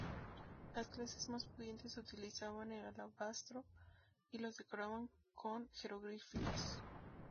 Las clases más pudientes utilizaban el alabastro y los decoraban con jeroglíficos.